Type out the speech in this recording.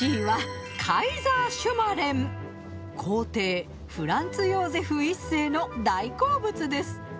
皇帝フランツヨーゼフ１世の大好物です。